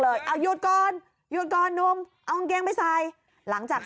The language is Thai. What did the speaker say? เอาหยุดก่อนหยุดก่อนหนุ่มเอากางเกงไปใส่หลังจาก